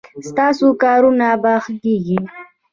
ستاسو کارونه به ښه کیږي